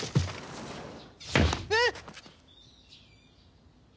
えっ！？